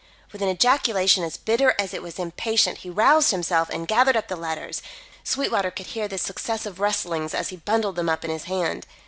With an ejaculation as bitter as it was impatient, he roused himself and gathered up the letters. Sweetwater could hear the successive rustlings as he bundled them up in his hand.